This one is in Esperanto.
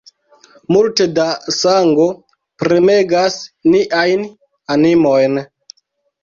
Multe da sango premegas niajn animojn.